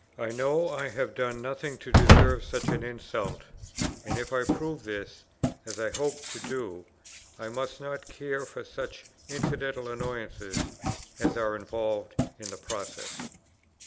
I know I have done nothing to deserve such an insult, and if I prove this, as I hope to do, I must not care for such incidental annoyances as are involved in the process.